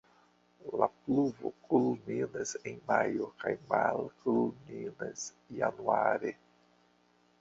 La pluvo kulminas en majo kaj malkulminas januare.